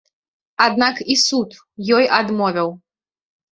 Аднак і суд ёй адмовіў.